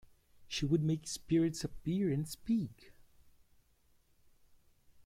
She would make spirits appear and speak!